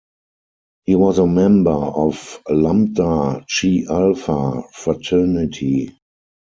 He was a member of Lambda Chi Alpha fraternity.